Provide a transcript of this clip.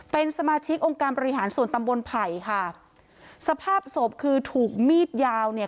เป็นสมาชิกองค์การบริหารส่วนตำบลไผ่ค่ะสภาพศพคือถูกมีดยาวเนี่ย